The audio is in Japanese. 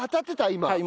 今。